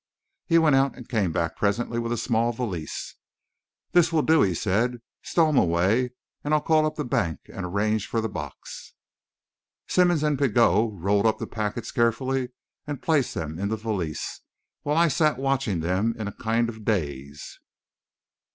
He went out and came back presently with a small valise. "This will do," he said. "Stow 'em away, and I'll call up the bank and arrange for the box." Simmonds and Pigot rolled up the packets carefully and placed them in the valise, while I sat watching them in a kind of daze.